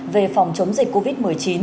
về phòng chống dịch covid một mươi chín